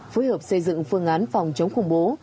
phối hợp xây dựng phương án phòng chống khủng bố